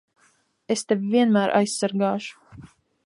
Es tevi vienmēr aizsargāšu!